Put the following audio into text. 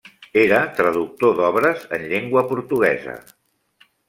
Era traductor d'obres en llengua portuguesa.